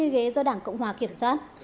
hai mươi ghế do đảng cộng hòa kiểm soát